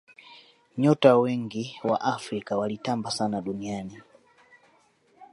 nyota wengi wa afrika walitamba sana duniani